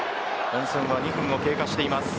本戦は２分を経過しています。